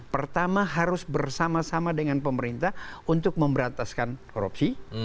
pertama harus bersama sama dengan pemerintah untuk memberantaskan korupsi